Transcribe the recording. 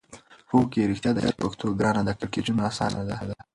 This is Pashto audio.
هو کې! رښتیا ده چې پښتو ګرانه ده کیړکیچو اسانه ده.